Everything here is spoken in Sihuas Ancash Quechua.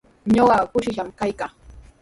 Ñuqa kushishqami kaykaa.